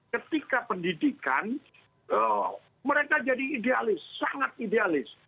ketika pendidikan mereka jadi idealis sangat idealis